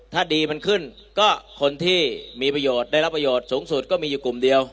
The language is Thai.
ถ้าดีมันขึ้นก็คนที่มีประโยชน์ได้รับประโยชน์สูงสุดก็มีอยู่กลุ่มเดียว